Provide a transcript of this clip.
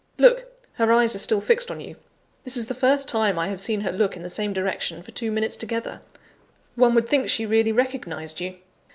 Look! her eyes are still fixed on you. This is the first time I have seen her look in the same direction for two minutes together; one would think she really recognised you.